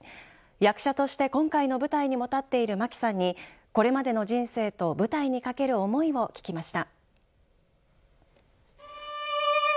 役者として今回の舞台にも立っている牧さんにこれまでの人生と舞台にかける思いを聞きました。